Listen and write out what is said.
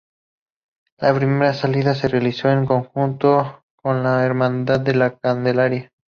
La primera salida se realizó en conjunto con la Hermandad de la Candelaria.